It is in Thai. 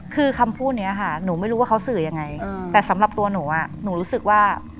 คือคำพูดนี้ค่ะหนูไม่รู้ว่าเขาสื่อยังไงแต่สำหรับตัวหนูหนูรู้สึกว่า